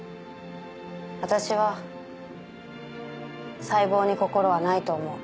私は細胞に心はないと思う。